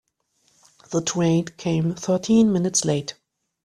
The train came thirteen minutes late.